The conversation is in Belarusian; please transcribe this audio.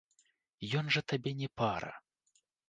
Ён жа табе не пара.